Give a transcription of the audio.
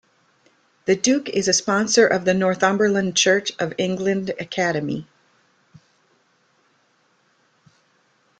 The Duke is a sponsor of The Northumberland Church of England Academy.